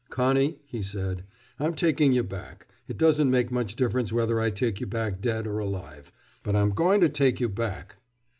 "Connie," he said, "I'm taking you back. It doesn't make much difference whether I take you back dead or alive. But I'm going to take you back."